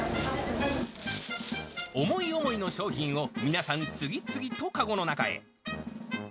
思い思いの商品を皆さん、次々と籠の中へ。